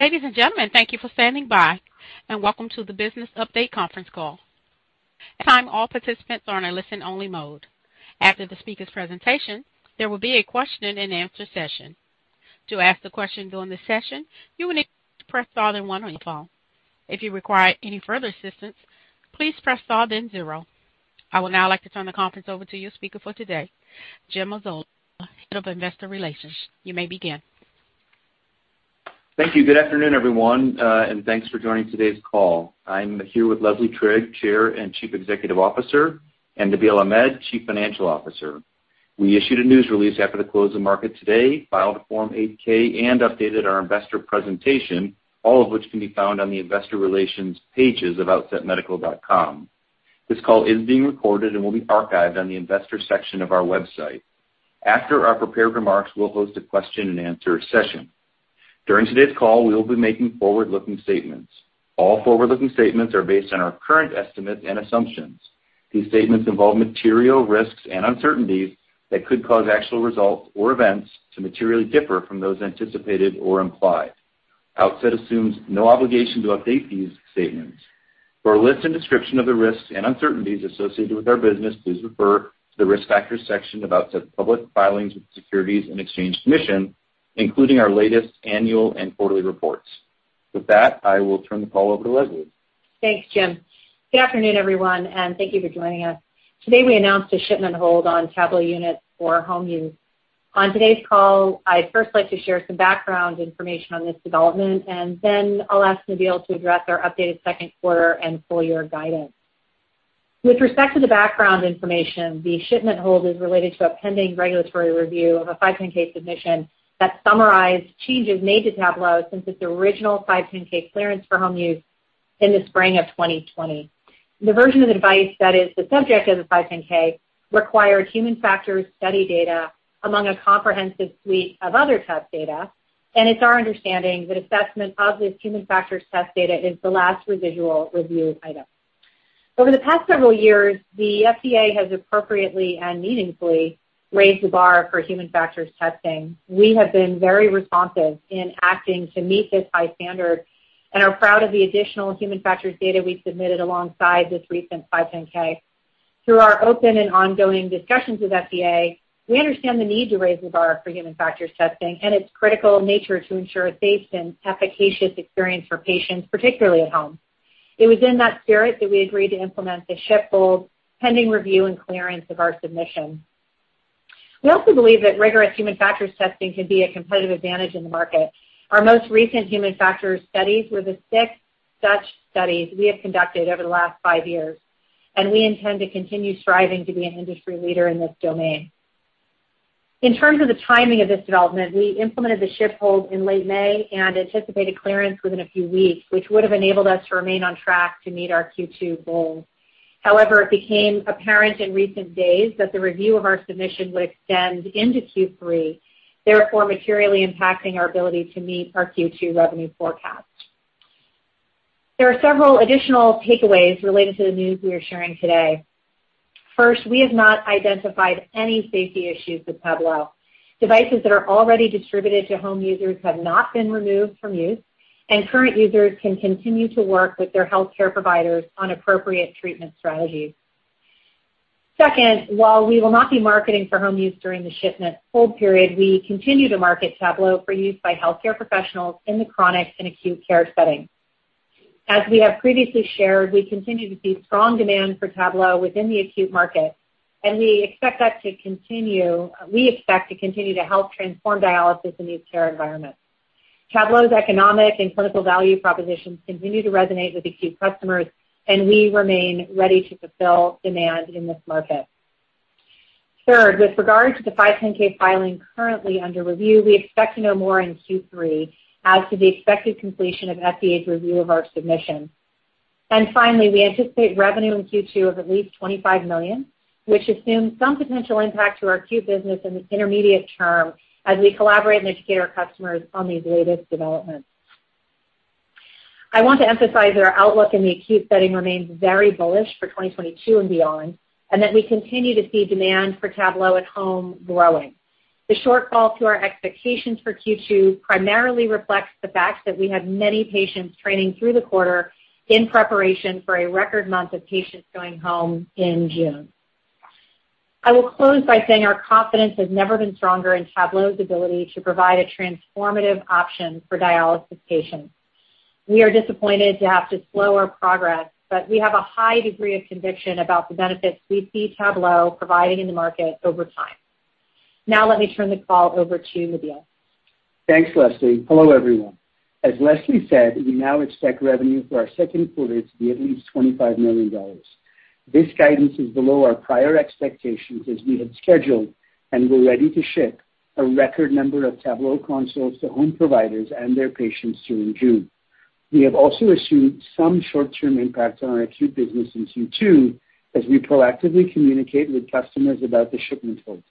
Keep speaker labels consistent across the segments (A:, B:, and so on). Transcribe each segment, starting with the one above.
A: Ladies and gentlemen, thank you for standing by, and welcome to the Business Update Conference Call. At this time, all participants are in a listen-only mode. After the speaker's presentation, there will be a question-and-answer session. To ask the question during the session, you will need to press star then one on your phone. If you require any further assistance, please press star then zero. I would now like to turn the conference over to your speaker for today, Jim Mazzola, Head of Investor Relations. You may begin.
B: Thank you. Good afternoon, everyone, and thanks for joining today's call. I'm here with Leslie Trigg, Chair and Chief Executive Officer, and Nabeel Ahmed, Chief Financial Officer. We issued a news release after the close of market today, filed a Form 8-K, and updated our investor presentation, all of which can be found on the investor relations pages of outsetmedical.com. This call is being recorded and will be archived on the investor section of our website. After our prepared remarks, we'll host a question-and-answer session. During today's call, we will be making forward-looking statements. All forward-looking statements are based on our current estimates and assumptions. These statements involve material risks and uncertainties that could cause actual results or events to materially differ from those anticipated or implied. Outset Medical assumes no obligation to update these statements. For a list and description of the risks and uncertainties associated with our business, please refer to the Risk Factors section of Outset's public filings with the Securities and Exchange Commission, including our latest annual and quarterly reports. With that, I will turn the call over to Leslie.
C: Thanks, Jim. Good afternoon, everyone, and thank you for joining us. Today we announced a shipment hold on Tablo units for home use. On today's call, I'd first like to share some background information on this development, and then I'll ask Nabeel to address our updated second quarter and full year guidance. With respect to the background information, the shipment hold is related to a pending regulatory review of a 510(k) submission that summarized changes made to Tablo since its original 510(k) clearance for home use in the spring of 2020. The version of the device that is the subject of the 510(k) required human factors study data among a comprehensive suite of other test data, and it's our understanding that assessment of this human factors test data is the last residual review item. Over the past several years, the FDA has appropriately and meaningfully raised the bar for human factors testing. We have been very responsive in acting to meet this high standard and are proud of the additional human factors data we submitted alongside this recent 510(k). Through our open and ongoing discussions with FDA, we understand the need to raise the bar for human factors testing and its critical nature to ensure a safe and efficacious experience for patients, particularly at home. It was in that spirit that we agreed to implement the ship hold pending review and clearance of our submission. We also believe that rigorous human factors testing can be a competitive advantage in the market. Our most recent human factors studies were the sixth such studies we have conducted over the last five years, and we intend to continue striving to be an industry leader in this domain. In terms of the timing of this development, we implemented the ship hold in late May and anticipated clearance within a few weeks, which would have enabled us to remain on track to meet our Q2 goals. However, it became apparent in recent days that the review of our submission would extend into Q3, therefore materially impacting our ability to meet our Q2 revenue forecast. There are several additional takeaways related to the news we are sharing today. First, we have not identified any safety issues with Tablo. Devices that are already distributed to home users have not been removed from use, and current users can continue to work with their healthcare providers on appropriate treatment strategies. Second, while we will not be marketing for home use during the shipment hold period, we continue to market Tablo for use by healthcare professionals in the chronic and acute care setting. As we have previously shared, we continue to see strong demand for Tablo within the acute market, and we expect that to continue. We expect to continue to help transform dialysis in these care environments. Tablo's economic and clinical value propositions continue to resonate with acute customers, and we remain ready to fulfill demand in this market. Third, with regard to the 510(k) filing currently under review, we expect to know more in Q3 as to the expected completion of FDA's review of our submission. Finally, we anticipate revenue in Q2 of at least $25 million, which assumes some potential impact to our acute business in the intermediate term as we collaborate and educate our customers on these latest developments. I want to emphasize that our outlook in the acute setting remains very bullish for 2022 and beyond, and that we continue to see demand for Tablo at home growing. The shortfall to our expectations for Q2 primarily reflects the fact that we had many patients training through the quarter in preparation for a record month of patients going home in June. I will close by saying our confidence has never been stronger in Tablo's ability to provide a transformative option for dialysis patients. We are disappointed to have to slow our progress, but we have a high degree of conviction about the benefits we see Tablo providing in the market over time. Now let me turn the call over to Nabeel.
D: Thanks, Leslie. Hello, everyone. As Leslie said, we now expect revenue for our second quarter to be at least $25 million. This guidance is below our prior expectations as we had scheduled and were ready to ship a record number of Tablo consoles to home providers and their patients during June. We have also assumed some short-term impact on our acute business in Q2 as we proactively communicate with customers about the shipment hold,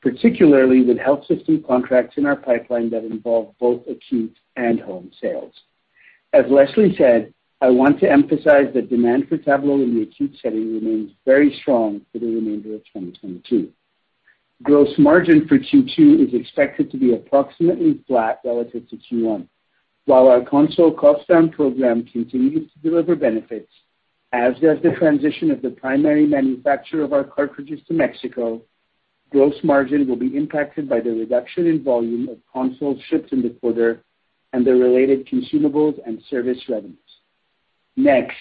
D: particularly with health system contracts in our pipeline that involve both acute and home sales. As Leslie said, I want to emphasize that demand for Tablo in the acute setting remains very strong for the remainder of 2022. Gross margin for Q2 is expected to be approximately flat relative to Q1. While our console cost down program continues to deliver benefits, as does the transition of the primary manufacturer of our cartridges to Mexico, gross margin will be impacted by the reduction in volume of consoles shipped in the quarter and the related consumables and service revenues. Next,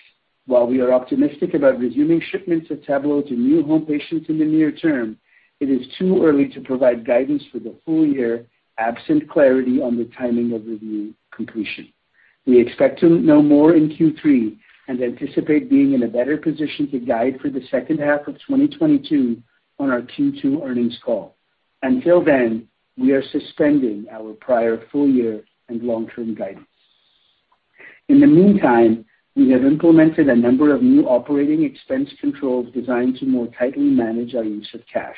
D: while we are optimistic about resuming shipments of Tablo to new home patients in the near term, it is too early to provide guidance for the full year absent clarity on the timing of review completion. We expect to know more in Q3 and anticipate being in a better position to guide for the second half of 2022 on our Q2 earnings call. Until then, we are suspending our prior full year and long-term guidance. In the meantime, we have implemented a number of new operating expense controls designed to more tightly manage our use of cash.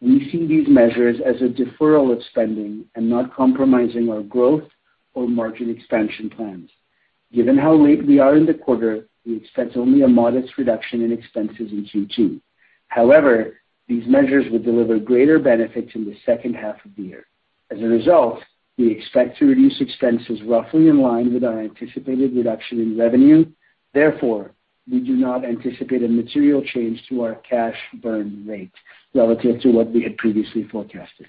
D: We see these measures as a deferral of spending and not compromising our growth or margin expansion plans. Given how late we are in the quarter, we expect only a modest reduction in expenses in Q2. However, these measures will deliver greater benefits in the second half of the year. As a result, we expect to reduce expenses roughly in line with our anticipated reduction in revenue. Therefore, we do not anticipate a material change to our cash burn rate relative to what we had previously forecasted.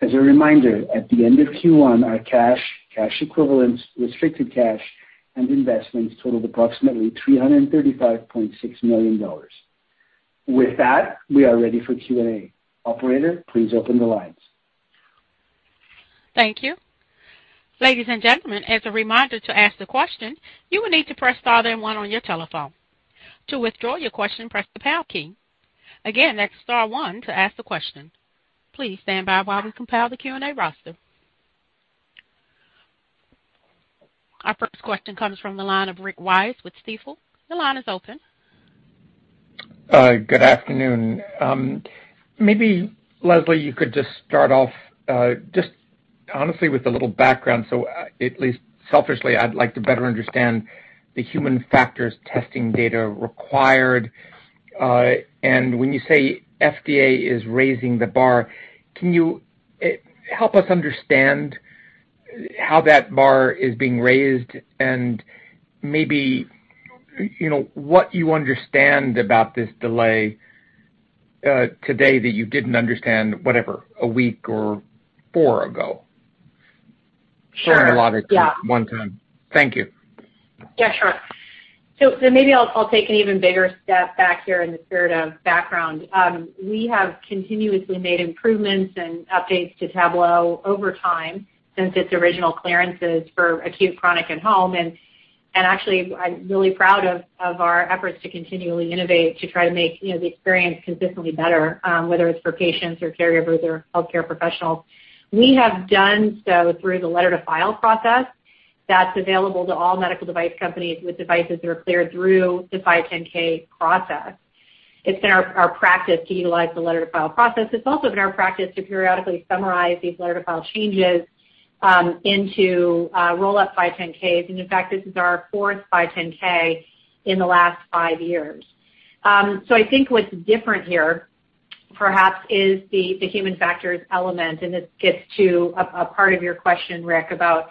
D: As a reminder, at the end of Q1, our cash equivalents, restricted cash and investments totaled approximately $335.6 million. With that, we are ready for Q&A. Operator, please open the lines.
A: Thank you. Ladies and gentlemen, as a reminder to ask the question, you will need to press star then one on your telephone. To withdraw your question, press the pound key. Again, that's star one to ask the question. Please stand by while we compile the Q&A roster. Our first question comes from the line of Rick Wise with Stifel. Your line is open.
E: Good afternoon. Maybe, Leslie, you could just start off, just honestly with a little background. At least selfishly, I'd like to better understand the human factors testing data required. When you say FDA is raising the bar, can you help us understand how that bar is being raised and maybe, you know, what you understand about this delay, today that you didn't understand whatever, a week or four ago?
C: Sure. Yeah.
E: Share the logic at one time. Thank you.
C: Yeah, sure. Maybe I'll take an even bigger step back here in the spirit of background. We have continuously made improvements and updates to Tablo over time since its original clearances for acute, chronic and home. Actually, I'm really proud of our efforts to continually innovate to try to make, you know, the experience consistently better, whether it's for patients or caregivers or healthcare professionals. We have done so through the letter to file process that's available to all medical device companies with devices that are cleared through the 510(k) process. It's been our practice to utilize the letter to file process. It's also been our practice to periodically summarize these letter to file changes into roll up 510(k)s. In fact, this is our fourth 510(k) in the last five years. I think what's different here perhaps is the human factors element. This gets to a part of your question, Rick, about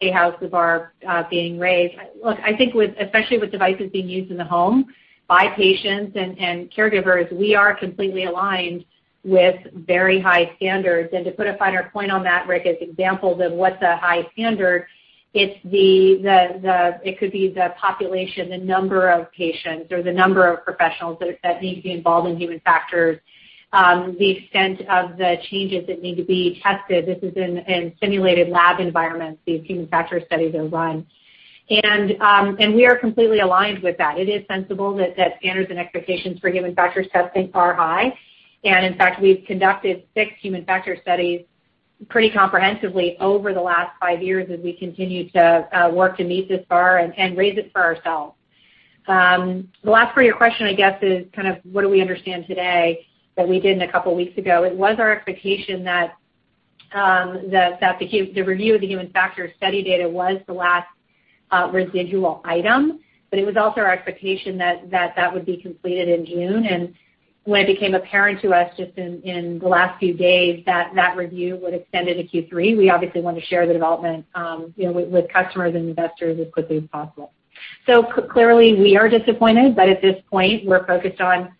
C: the bar being raised. Look, I think especially with devices being used in the home by patients and caregivers, we are completely aligned with very high standards. To put a finer point on that, Rick, as examples of what's a high standard, it's the population, the number of patients or the number of professionals that need to be involved in human factors, the extent of the changes that need to be tested. This is in simulated lab environments, these human factors studies are run. We are completely aligned with that. It is sensible that standards and expectations for human factors testing are high. In fact, we've conducted six human factor studies pretty comprehensively over the last five years as we continue to work to meet this bar and raise it for ourselves. The last part of your question, I guess, is kind of what do we understand today that we didn't a couple weeks ago? It was our expectation that the review of the human factor study data was the last residual item. It was also our expectation that that would be completed in June. When it became apparent to us just in the last few days that that review would extend into Q3, we obviously want to share the development, you know, with customers and investors as quickly as possible. Clearly, we are disappointed, but at this point, we're focused on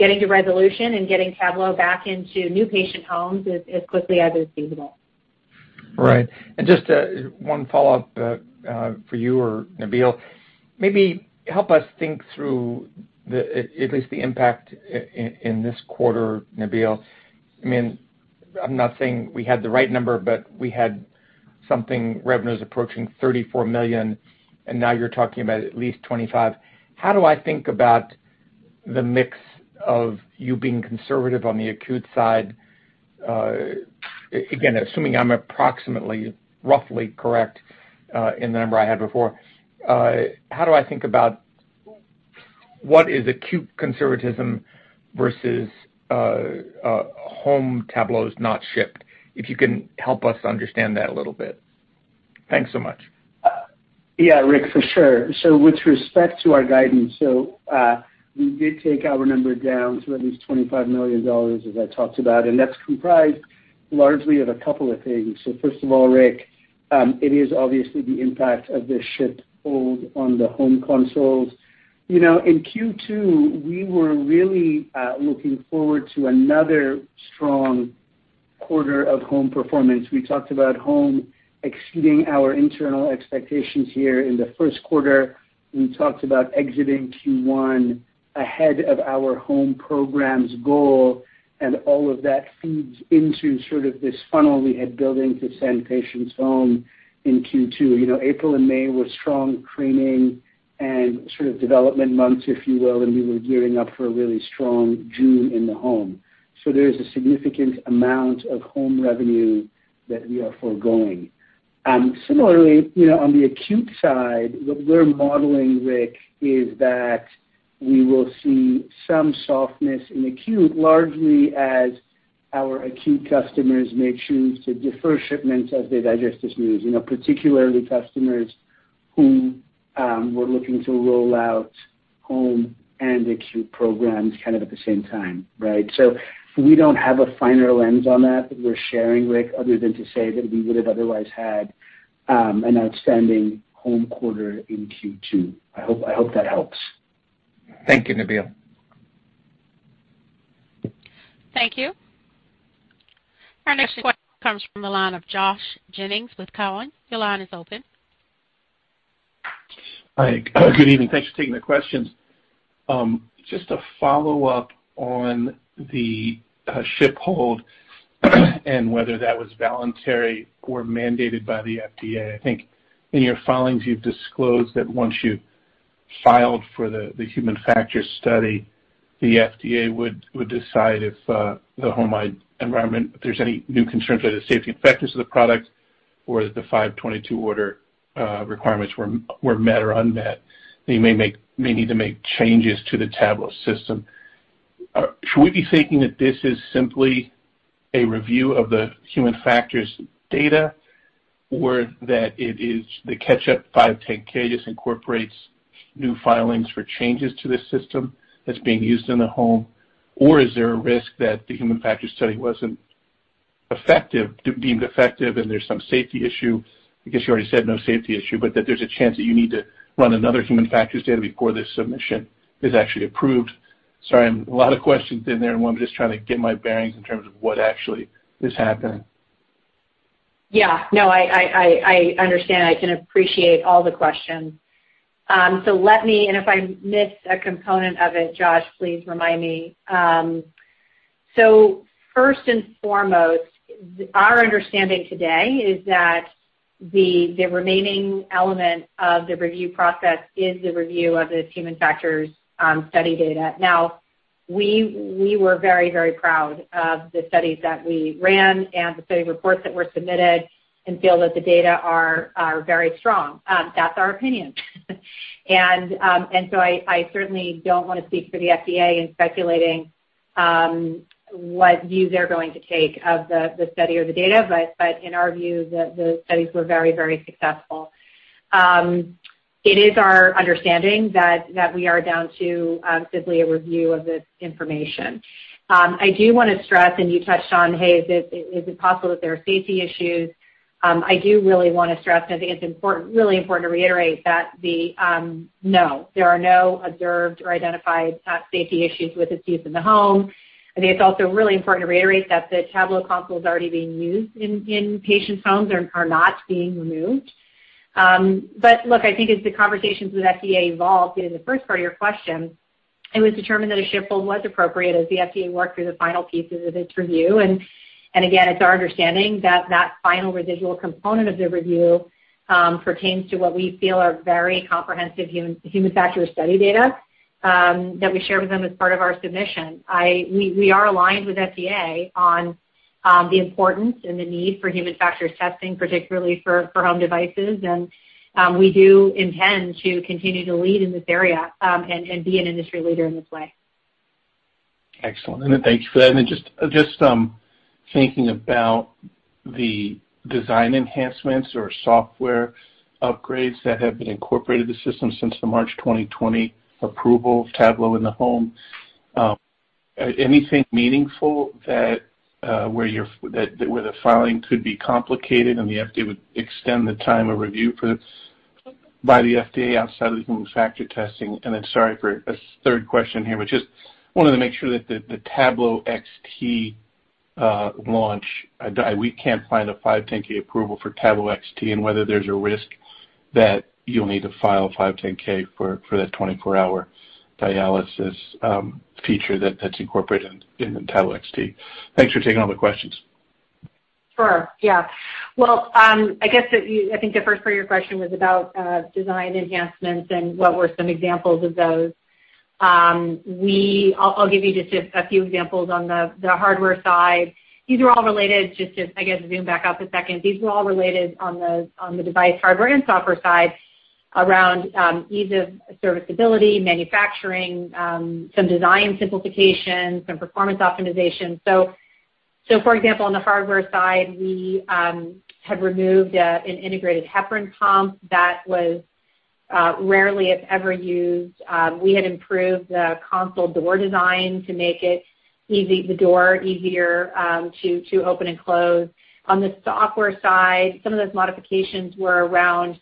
C: getting to resolution and getting Tablo back into new patient homes as quickly as is feasible.
E: Right. Just one follow-up for you or Nabeel. Maybe help us think through at least the impact in this quarter, Nabeel. I mean, I'm not saying we had the right number, but we had some revenues approaching $34 million, and now you're talking about at least $25 million. How do I think about the mix of you being conservative on the acute side? Again, assuming I'm approximately roughly correct in the number I had before, how do I think about what is acute conservatism versus home Tablos not shipped? If you can help us understand that a little bit. Thanks so much.
D: Yeah, Rick, for sure. With respect to our guidance, we did take our number down to at least $25 million, as I talked about, and that's comprised largely of a couple of things. First of all, Rick, it is obviously the impact of the ship hold on the home consoles. You know, in Q2, we were really looking forward to another strong quarter of home performance. We talked about home exceeding our internal expectations here in the first quarter. We talked about exiting Q1 ahead of our home program's goal, and all of that feeds into sort of this funnel we had building to send patients home in Q2. You know, April and May were strong training and sort of development months, if you will, and we were gearing up for a really strong June in the home. There is a significant amount of home revenue that we are foregoing. Similarly, you know, on the acute side, what we're modeling, Rick, is that we will see some softness in acute, largely as our acute customers may choose to defer shipments as they digest this news, you know, particularly customers who were looking to roll out home and acute programs kind of at the same time, right? We don't have a finer lens on that that we're sharing, Rick, other than to say that we would have otherwise had an outstanding home quarter in Q2. I hope that helps.
E: Thank you, Nabeel.
A: Thank you. Our next question comes from the line of Josh Jennings with Cowen. Your line is open.
F: Hi. Good evening. Thanks for taking the questions. Just a follow-up on the ship hold and whether that was voluntary or mandated by the FDA. I think in your filings, you've disclosed that once you filed for the human factors study, the FDA would decide if the home environment, if there's any new concerns about the safety and effectiveness of the product or that the 522 order requirements were met or unmet, they may need to make changes to the Tablo system. Should we be thinking that this is simply a review of the human factors data or that it is the catch-up 510(k) just incorporates new filings for changes to this system that's being used in the home? is there a risk that the human factors study wasn't deemed effective and there's some safety issue? I guess you already said no safety issue, but that there's a chance that you need to run another human factors data before this submission is actually approved. Sorry, a lot of questions in there, and I'm just trying to get my bearings in terms of what actually is happening.
C: Yeah, no, I understand. I can appreciate all the questions. Let me and if I miss a component of it, Josh, please remind me. First and foremost, our understanding today is that the remaining element of the review process is the review of the human factors study data. Now, we were very, very proud of the studies that we ran and the study reports that were submitted and feel that the data are very strong. That's our opinion. I certainly don't want to speak for the FDA in speculating what view they're going to take of the study or the data. In our view, the studies were very, very successful. It is our understanding that we are down to simply a review of this information. I do want to stress, and you touched on, hey, is it possible that there are safety issues? I do really want to stress, and I think it's important, really important to reiterate that there are no observed or identified safety issues with its use in the home. I think it's also really important to reiterate that the Tablo console is already being used in patients' homes. They are not being removed. Look, I think as the conversations with FDA evolved in the first part of your question, it was determined that a ship hold was appropriate as the FDA worked through the final pieces of its review. Again, it's our understanding that the final residual component of the review pertains to what we feel are very comprehensive human factors study data that we share with them as part of our submission. We are aligned with FDA on the importance and the need for human factors testing, particularly for home devices. We do intend to continue to lead in this area and be an industry leader in this way.
F: Excellent. Thank you for that. Just thinking about the design enhancements or software upgrades that have been incorporated in the system since the March 2020 approval of Tablo in the home, anything meaningful that where the filing could be complicated and the FDA would extend the time of review for this by the FDA outside of the human factors testing? Sorry for a third question here, but just wanted to make sure that the Tablo XT launch that we can't find a 510(k) approval for Tablo XT and whether there's a risk that you'll need to file 510(k) for that 24-hour dialysis feature that's incorporated in the Tablo XT. Thanks for taking all the questions.
C: Sure. Yeah. Well, I guess that I think the first part of your question was about design enhancements and what were some examples of those. I'll give you just a few examples on the hardware side. These are all related. Just to, I guess, zoom back out for a second. These were all related on the device hardware and software side around ease of serviceability, manufacturing, some design simplifications, some performance optimization. For example, on the hardware side, we have removed an integrated heparin pump that was rarely if ever used. We had improved the console door design to make the door easier to open and close. On the software side, some of those modifications were around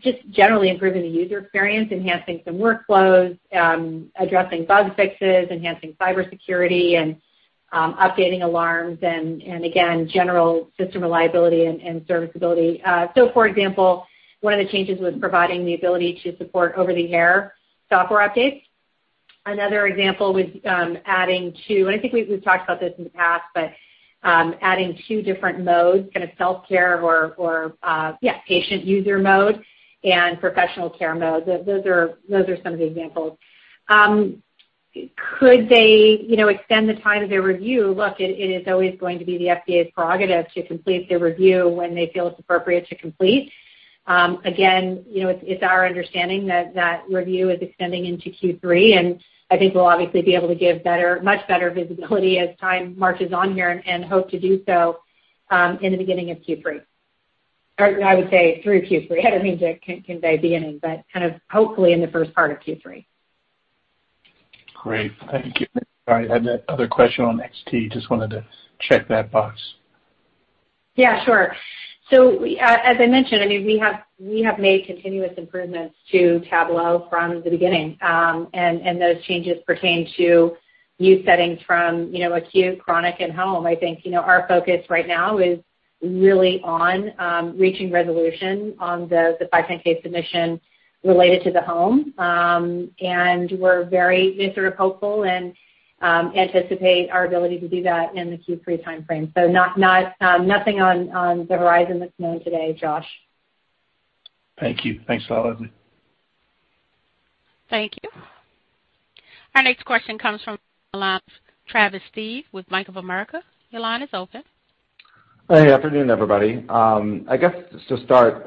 C: just generally improving the user experience, enhancing some workflows, addressing bug fixes, enhancing cybersecurity and, updating alarms and again, general system reliability and serviceability. For example, one of the changes was providing the ability to support over-the-air software updates. Another example was adding two different modes, kind of self-care or patient user mode and professional care mode, and I think we've talked about this in the past, but. Those are some of the examples. Could they, you know, extend the time of their review? Look, it is always going to be the FDA's prerogative to complete their review when they feel it's appropriate to complete. Again, you know, it's our understanding that review is extending into Q3, and I think we'll obviously be able to give better, much better visibility as time marches on here and hope to do so in the beginning of Q3. I would say through Q3. I don't mean to convey beginning, but kind of, hopefully in the first part of Q3.
F: Great. Thank you. Sorry, I had that other question on XT. Just wanted to check that box.
C: Yeah, sure. As I mentioned, I mean, we have made continuous improvements to Tablo from the beginning. Those changes pertain to use settings from, you know, acute, chronic and home. I think, you know, our focus right now is really on reaching resolution on the 510(k) submission related to the home. We're very, I guess sort of hopeful and anticipate our ability to do that in the Q3 timeframe. Nothing on the horizon that's known today, Josh.
F: Thank you. Thanks a lot, Leslie.
A: Thank you. Our next question comes from the line of Travis Steed with Bank of America. Your line is open.
G: Good afternoon, everybody. I guess just to start,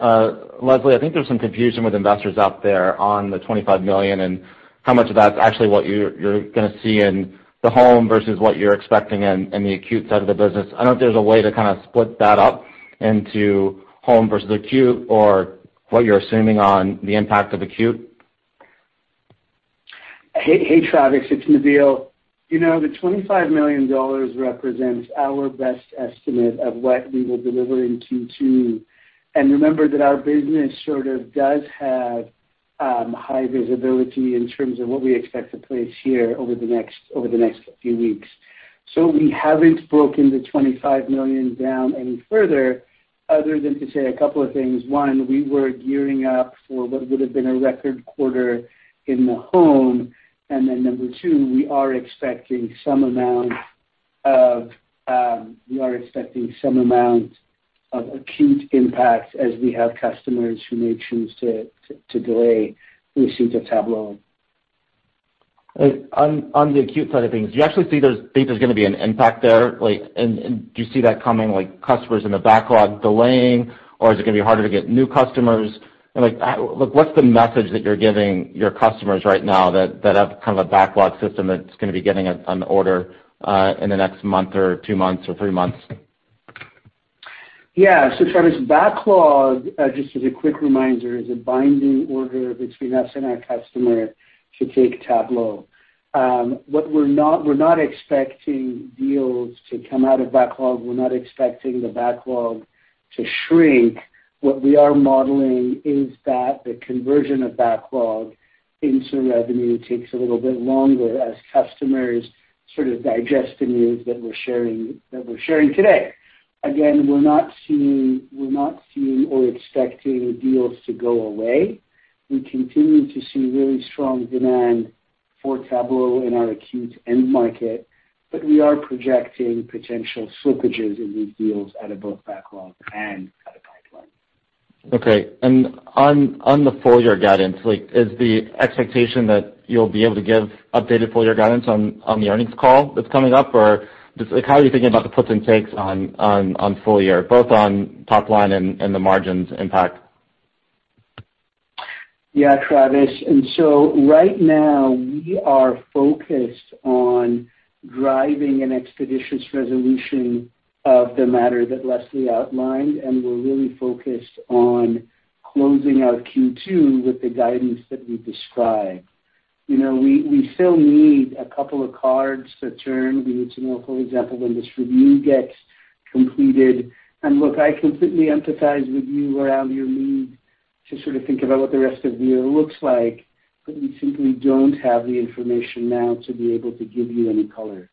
G: Leslie, I think there's some confusion with investors out there on the $25 million and how much of that's actually what you're gonna see in the home versus what you're expecting in the acute side of the business. I don't know if there's a way to kind of split that up into home versus acute or what you're assuming on the impact of acute.
D: Hey, hey, Travis. It's Nabeel. You know, the $25 million represents our best estimate of what we will deliver in Q2. Remember that our business sort of does have high visibility in terms of what we expect to place here over the next few weeks. We haven't broken the $25 million down any further other than to say a couple of things. One, we were gearing up for what would have been a record quarter in the home. Number two, we are expecting some amount of acute impact as we have customers who may choose to delay receipt of Tablo.
G: On the acute side of things, do you actually think there's gonna be an impact there? Like, and do you see that coming, like customers in the backlog delaying, or is it gonna be harder to get new customers? Like, look, what's the message that you're giving your customers right now that have kind of a backlog system that's gonna be getting an order in the next month or two months or three months?
D: Yeah. Travis, backlog, just as a quick reminder, is a binding order between us and our customer to take Tablo. What we're not expecting deals to come out of backlog. We're not expecting the backlog to shrink. What we are modeling is that the conversion of backlog into revenue takes a little bit longer as customers sort of digest the news that we're sharing today. Again, we're not seeing or expecting deals to go away. We continue to see really strong demand for Tablo in our acute end market, but we are projecting potential slippages in these deals out of both backlog and out of pipeline.
G: Okay. On the full-year guidance, like, is the expectation that you'll be able to give updated full-year guidance on the earnings call that's coming up? Or just like, how are you thinking about the puts and takes on full year, both on top line and the margins impact?
D: Yeah, Travis. Right now, we are focused on driving an expeditious resolution of the matter that Leslie outlined, and we're really focused on closing out Q2 with the guidance that we described. You know, we still need a couple of cards to turn. We need to know, for example, when this review gets completed. Look, I completely empathize with you around your need to sort of think about what the rest of the year looks like, but we simply don't have the information now to be able to give you any color.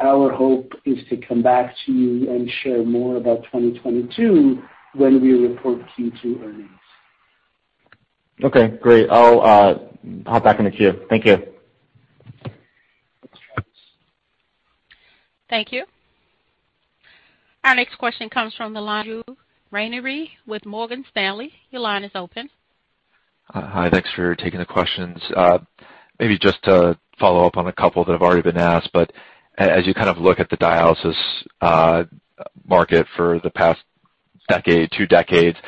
D: Our hope is to come back to you and share more about 2022 when we report Q2 earnings.
G: Okay, great. I'll hop back in the queue. Thank you.
A: Thank you. Our next question comes from the line of Drew Ranieri with Morgan Stanley. Your line is open.
H: Hi. Thanks for taking the questions. Maybe just to follow up on a couple that have already been asked, but as you kind of look at the dialysis market for the past decade, two decades.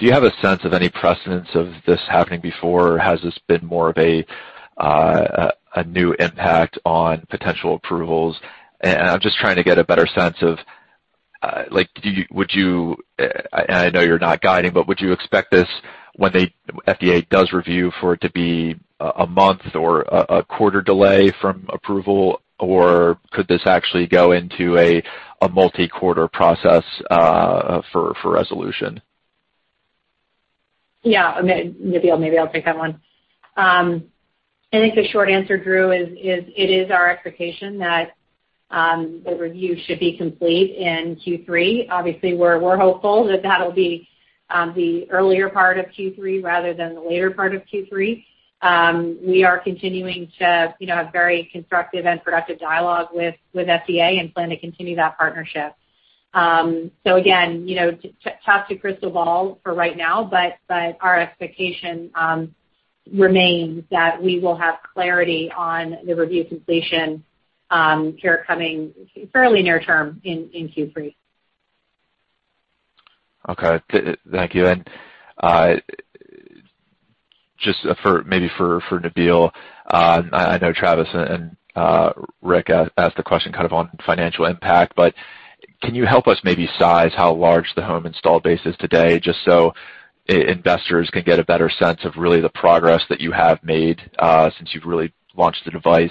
H: Do you have a sense of any precedent of this happening before, or has this been more of a new impact on potential approvals? I'm just trying to get a better sense of, like, would you, and I know you're not guiding, but would you expect this when FDA does review for it to be a month or a quarter delay from approval? Or could this actually go into a multi-quarter process for resolution?
C: Yeah. I mean, Nabeel, maybe I'll take that one. I think the short answer, Drew, is it is our expectation that the review should be complete in Q3. Obviously, we're hopeful that that'll be the earlier part of Q3 rather than the later part of Q3. We are continuing to, you know, have very constructive and productive dialogue with FDA and plan to continue that partnership. Again, you know, tough to crystal ball for right now, but our expectation remains that we will have clarity on the review completion here coming fairly near term in Q3.
H: Okay. Thank you. Just for Nabeel, I know Travis and Rick asked the question kind of on financial impact, but can you help us maybe size how large the home install base is today, just so investors can get a better sense of really the progress that you have made, since you've really launched the device?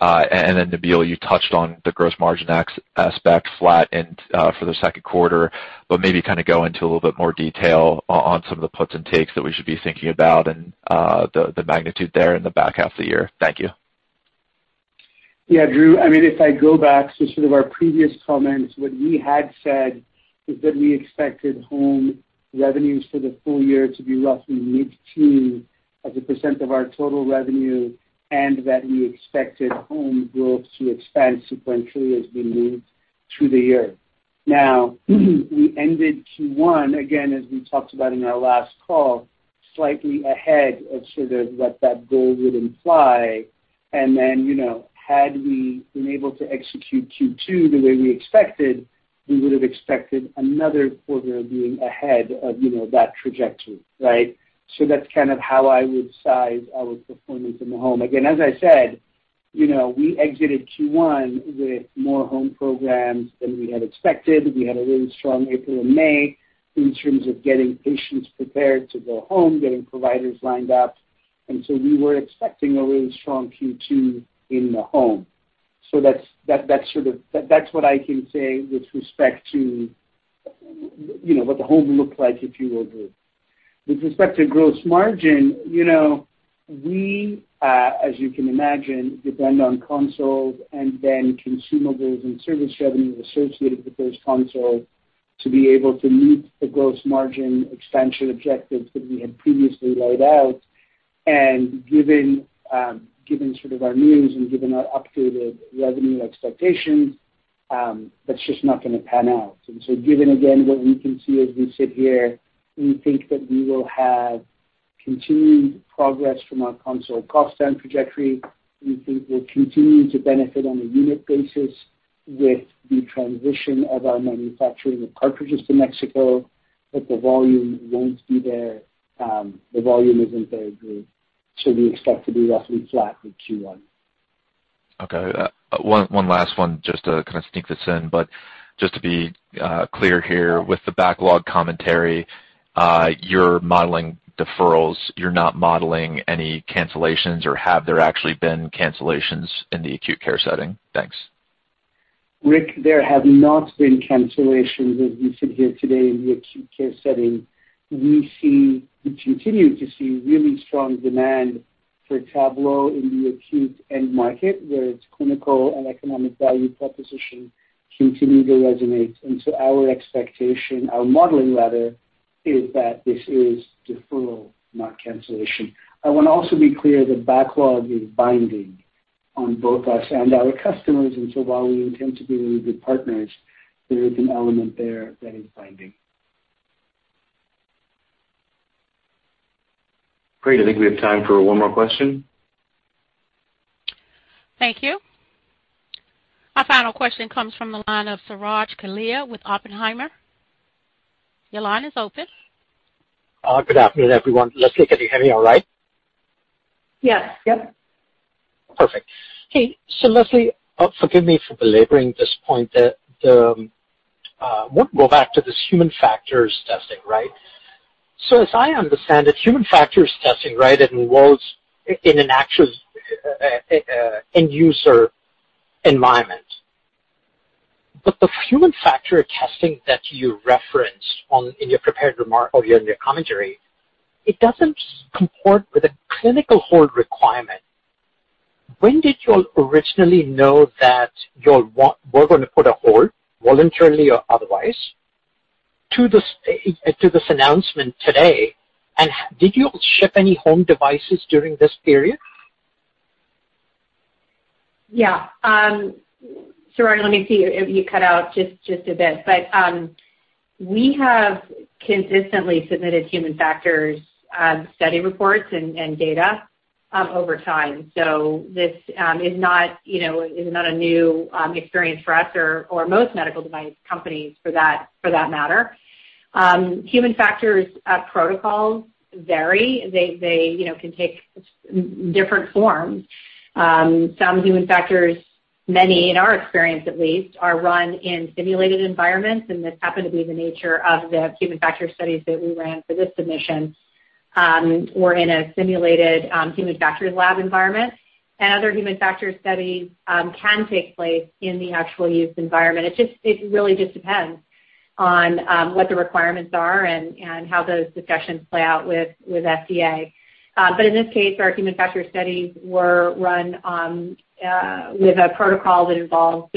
H: And then Nabeel, you touched on the gross margin aspect flat and, for the second quarter, but maybe kind of go into a little bit more detail on some of the puts and takes that we should be thinking about and, the magnitude there in the back half of the year. Thank you.
D: Yeah, Drew. I mean, if I go back to sort of our previous comments, what we had said is that we expected home revenues for the full year to be roughly 15% of our total revenue, and that we expected home growth to expand sequentially as we moved through the year. Now, we ended Q1, again, as we talked about in our last call, slightly ahead of sort of what that goal would imply. And then, you know, had we been able to execute Q2 the way we expected, we would have expected another quarter of being ahead of, you know, that trajectory, right? That's kind of how I would size our performance in the home. Again, as I said, you know, we exited Q1 with more home programs than we had expected. We had a really strong April and May in terms of getting patients prepared to go home, getting providers lined up. We were expecting a really strong Q2 in the home. That's sort of what I can say with respect to, you know, what the home looked like, if you will, Drew. With respect to gross margin, you know, we, as you can imagine, depend on consoles and then consumables and service revenue associated with those consoles to be able to meet the gross margin expansion objectives that we had previously laid out. Given sort of our needs and given our updated revenue expectations, that's just not gonna pan out. Given again, what we can see as we sit here, we think that we will have continued progress from our console cost down trajectory. We think we'll continue to benefit on a unit basis with the transition of our manufacturing of cartridges to Mexico, but the volume won't be there. The volume isn't there, Drew. We expect to be roughly flat with Q1.
H: Okay. One last one just to kind of sneak this in. Just to be clear here, with the backlog commentary, you're modeling deferrals, you're not modeling any cancellations or have there actually been cancellations in the acute care setting? Thanks.
D: Rick, there have not been cancellations as we sit here today in the acute care setting. We continue to see really strong demand for Tablo in the acute end market, where its clinical and economic value proposition continue to resonate. Our expectation, our modeling rather, is that this is deferral, not cancellation. I wanna also be clear the backlog is binding on both us and our customers, and so while we intend to be really good partners, there is an element there that is binding.
B: Great. I think we have time for one more question.
A: Thank you. Our final question comes from the line of Suraj Kalia with Oppenheimer. Your line is open.
I: Good afternoon, everyone. Leslie, can you hear me all right?
C: Yes. Yep.
I: Perfect. Hey, Leslie, forgive me for belaboring this point. We'll go back to this human factors testing, right? As I understand it, human factors testing, right, involves in an actual end user environment. But the human factors testing that you referenced in your prepared remark or your commentary, it doesn't comport with a clinical hold requirement. When did you all originally know that were gonna put a hold, voluntarily or otherwise, to this announcement today? And did you ship any home devices during this period?
C: Yeah. Suraj, let me see. You cut out just a bit. We have consistently submitted human factors study reports and data. Over time. This is not, you know, a new experience for us or most medical device companies for that matter. Human factors protocols vary. They you know, can take different forms. Some human factors, many in our experience at least, are run in simulated environments, and this happened to be the nature of the human factor studies that we ran for this submission were in a simulated human factors lab environment, and other human factors studies can take place in the actual use environment. It really just depends on what the requirements are and how those discussions play out with FDA. In this case, our human factors studies were run with a protocol that involved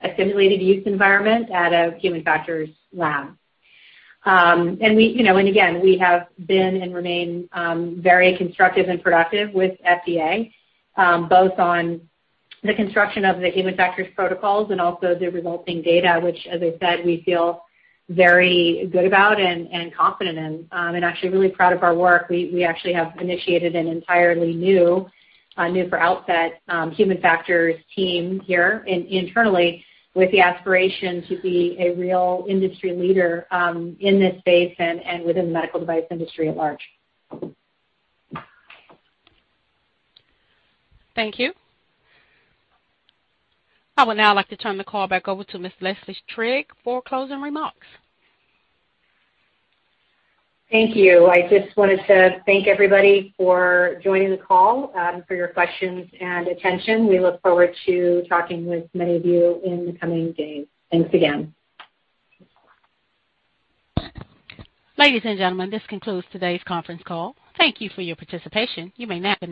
C: a simulated use environment at a human factors lab. We, you know, and again, we have been and remain very constructive and productive with FDA both on the construction of the human factors protocols and also the resulting data, which as I said, we feel very good about and confident in, and actually really proud of our work. We actually have initiated an entirely new for Outset human factors team here internally with the aspiration to be a real industry leader in this space and within the medical device industry at large.
A: Thank you. I would now like to turn the call back over to Ms. Leslie Trigg for closing remarks.
C: Thank you. I just wanted to thank everybody for joining the call, for your questions and attention. We look forward to talking with many of you in the coming days. Thanks again.
A: Ladies and gentlemen, this concludes today's conference call. Thank you for your participation. You may now disconnect.